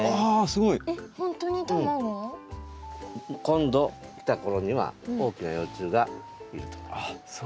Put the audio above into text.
今度来たころには大きな幼虫がいると思います。